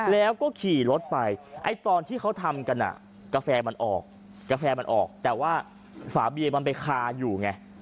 แล้วก็ขี่รถไปตอนที่เขาทำกาแฟมันออกแต่ว่าฝาเบียร์มันไปคาอยู่ไง